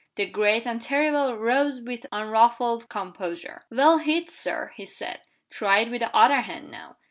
The great and terrible rose with unruffled composure. "Well hit, Sir!" he said. "Try it with the other hand now."